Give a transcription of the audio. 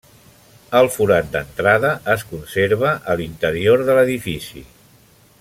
El forat d'entrada es conserva a l'interior de l'edifici.